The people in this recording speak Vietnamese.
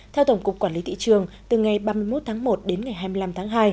theo tổng cục quản lý thị trường từ ngày ba mươi một tháng một đến ngày hai mươi năm tháng hai